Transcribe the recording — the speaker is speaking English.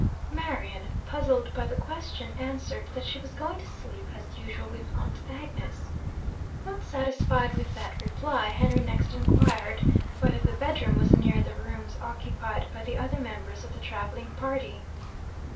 Marian, puzzled by the question, answered that she was going to sleep, as usual, with 'Aunt Agnes.' Not satisfied with that reply, Henry next inquired whether the bedroom was near the rooms occupied by the other members of the travelling party.